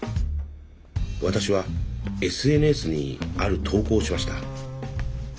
私はＳＮＳにある投稿をしました。